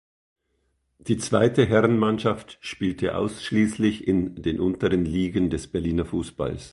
Die zweite Herrenmannschaft spielte ausschließlich in den unteren Ligen des Berliner Fußballs.